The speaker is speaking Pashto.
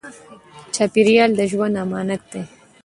چاپېریال د ژوند امانت دی.